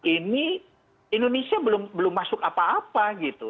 ini indonesia belum masuk apa apa gitu